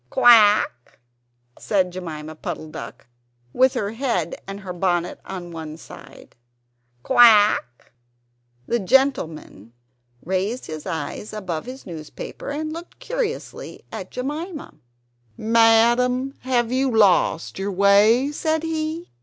"Quack?" said Jemima Puddle duck, with her head and her bonnet on the one side "Quack?" The gentleman raised his eyes above his newspaper and looked curiously at Jemima "Madam, have you lost your way?" said he.